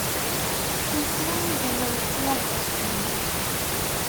Yeswa idammen n tyaẓiḍt-nni.